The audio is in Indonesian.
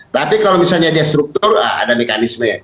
tapi kalau misalnya dia struktur ada mekanisme